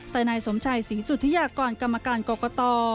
แต่นายสมชัยศรีสุธิยากรกรรมการกรกต